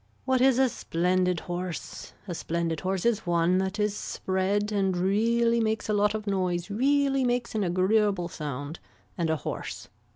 What is a splendid horse. A splendid horse is one that is spread and really makes a lot of noise really makes an agreeable sound and a hoarse.